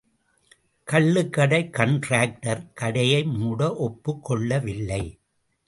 கள்ளுக்கடை காண்ட்ராக்டர் கடையை மூட ஒப்புக் கொள்ளவில்லை.